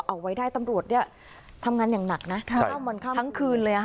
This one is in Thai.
เอาไว้ได้ตำรวจเนี่ยทำงานอย่างหนักนะใช่ทั้งคืนเลยอะค่ะ